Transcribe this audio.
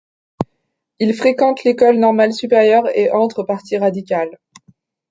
Il fréquente l’École normale supérieure et entre au Parti radical.